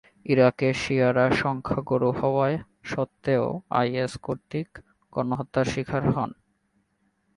ইরাকে শিয়ারা সংখ্যাগুরু হওয়া সত্ত্বেও আইএস কর্তৃক গণহত্যার শিকার হন।